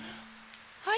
はい。